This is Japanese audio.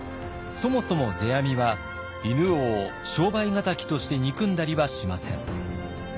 そもそも世阿弥は犬王を商売敵として憎んだりはしません。